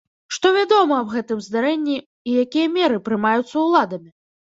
Што вядома аб гэтым здарэнні, і якія меры прымаюцца ўладамі?